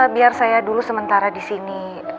biar saya dulu sementara disini